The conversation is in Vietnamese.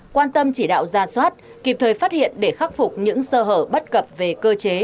quan tâm chỉ đạo ra soát kịp thời phát hiện để khắc phục những sơ hở bất cập về cơ chế